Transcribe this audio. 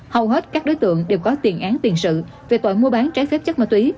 hầu hết các đối tượng đều có tiền án tiền sự về tội mua bán trái phép chất ma túy